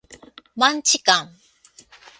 マンチカン